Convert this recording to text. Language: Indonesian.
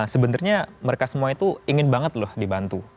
sebenarnya mereka semua itu ingin banget loh dibantu